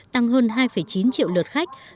tăng hơn hai chín triệu lượt khách